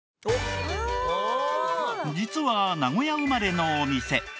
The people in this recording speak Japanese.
実は名古屋生まれのお店。